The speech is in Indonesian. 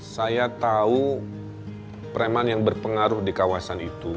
saya tahu preman yang berpengaruh di kawasan itu